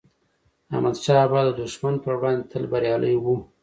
احمدشاه بابا د دښمن پر وړاندی تل بریالي و.